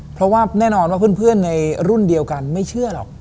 เพราะว่าแน่นอนว่าเพื่อนในรุ่นเดียวกันไม่เชื่อหรอก